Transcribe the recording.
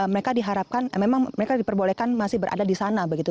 mereka diharapkan memang mereka diperbolehkan masih berada di sana begitu